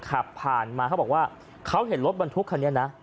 ขับผ่านมาเขาบอกว่าเขาเห็นรถบรรทุกคันนี้นะ